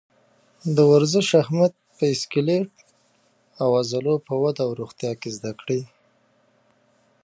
د ورزش اهمیت په سکلیټ او عضلو په وده او روغتیا کې زده کړئ.